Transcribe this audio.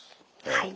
はい。